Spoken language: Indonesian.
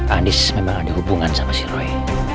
andis memang ada hubungan sama si ray